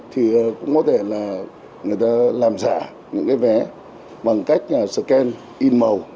thì cũng có thể là người ta làm giả những cái vé bằng cách scan in màu